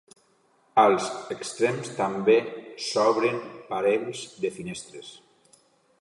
Als extrems també s'obren parells de finestres.